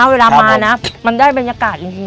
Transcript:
เวลามานะมันได้บรรยากาศจริง